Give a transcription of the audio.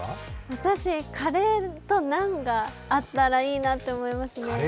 私、カレーとナンがあったらいいなと思いますね。